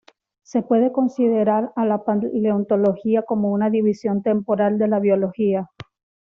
Se puede considerar a la Paleontología como una división temporal de la Biología.